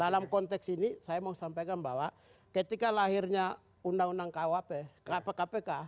dalam konteks ini saya mau sampaikan bahwa ketika lahirnya undang undang kuhp kenapa kpk